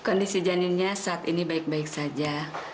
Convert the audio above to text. kondisi janinnya saat ini baik baik saja